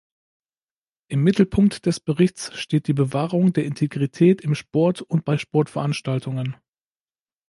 Im Mittelpunkt des Berichts steht die Bewahrung der Integrität im Sport und bei Sportveranstaltungen.